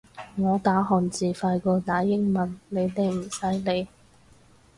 我打漢字快過打英文，你哋唔使理